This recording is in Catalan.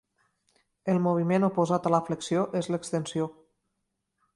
El moviment oposat a la flexió és l'extensió.